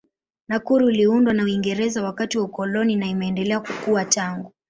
Nakuru iliundwa na Uingereza wakati wa ukoloni na imeendelea kukua tangu.